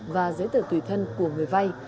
và giấy tờ tùy thân của người vai